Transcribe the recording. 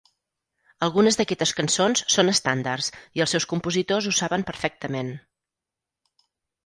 Algunes d'aquestes cançons són estàndards i els seus compositors ho saben perfectament.